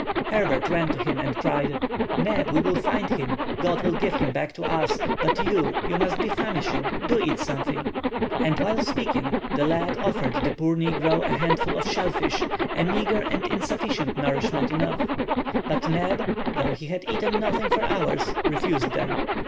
Herbert ran to him and cried:— "Neb, we will find him; God will give him back to us; but you, you must be famishing; do eat something." And while speaking the lad offered the poor negro a handful of shell fish—a meagre and insufficient nourishment enough. But Neb, though he had eaten nothing for hours, refused them.